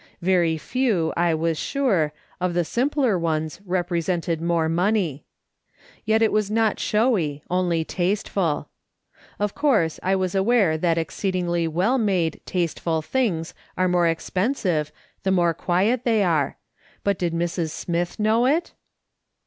Very few, I was sure, of the simpler ones represented more money. Yet it was not showy, only tasteful. Of course I was aware that exceedingly well made, tasteful things are more expensive, the more quiet they are ; but did Mrs. Smith know it